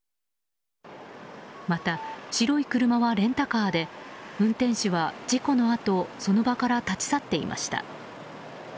また、白い車はレンタカーで運転手は事故のあとその場から立ち去っていました。